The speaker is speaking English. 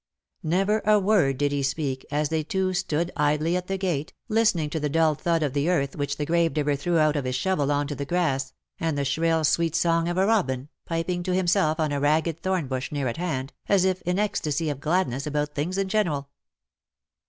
Never a word did he speak, as they two stood idly at the gate, listening to the dull thud of the earth which the gravedigger threw out of his shovel on to the grass, and the shrill sweet song of a robin, piping to himself on a ragged thornbush near at hand, as if in an ecstasy of gladness about things in general.